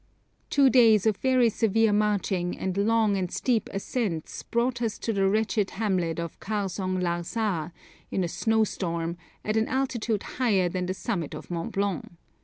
Two days of very severe marching and long and steep ascents brought us to the wretched hamlet of Kharzong Lar sa, in a snowstorm, at an altitude higher than the summit of Mont Blanc.